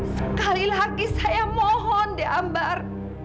sekali lagi saya mohon diambar